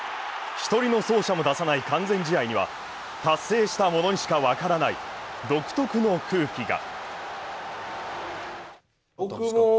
１人の走者も出さない完全試合には達成した者にしか分からない独特の空気が。